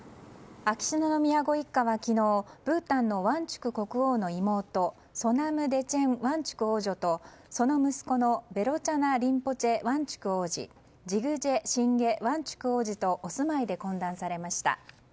秋篠宮ご一家は昨日ブータンのワンチュク国王の妹ソナム・デチェン・ワンチュク王女とその息子のヴェロチャナ・リンポチェ・ワンチュク王子ジグジェ・シンゲ・ワンチュク王子とお住まいで懇談されました。